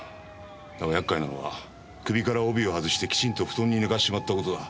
だが厄介なのは首から帯を外してきちんと布団に寝かしちまった事だ。